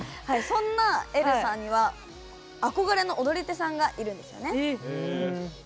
そんな、えるさんには憧れの踊り手さんがいるんですよね。